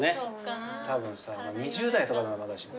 たぶんさ２０代とかならまだしも。